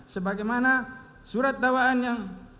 sebagaimana surat dakwaan yang